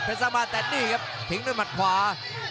เพชรสร้างบ้านแต่นี่ครับถึงด้วยมัดขวา